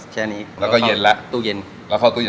ใช่ครับ